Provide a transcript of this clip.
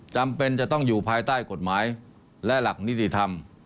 จำเป็นจะต้องอยู่ภายใต้กฎหมายและหลักนิติธรรม